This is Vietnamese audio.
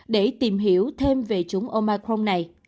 để tìm hiểu thêm về chủng omicron này